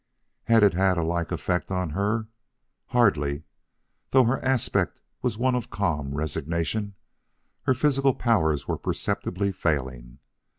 Had it had a like effect on her? Hardly. Though her aspect was one of calm resignation, her physical powers were perceptibly failing.